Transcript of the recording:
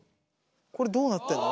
これどうなってんの？